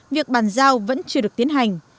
việc bàn giao vẫn chưa được tiến hành